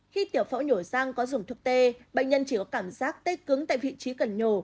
khi tiểu phẫu nhổ răng có dùng thuốc tê bệnh nhân chỉ có cảm giác tê cứng tại vị trí cần nhổ